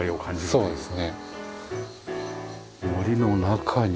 そうですね。